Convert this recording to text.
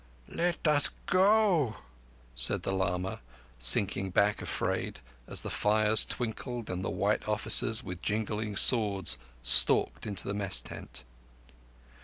"Let us go," said the lama, sinking back afraid, as the fires twinkled and white officers with jingling swords stalked into the Mess tent.